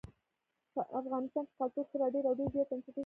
په افغانستان کې کلتور خورا ډېر او ډېر زیات بنسټیز اهمیت لري.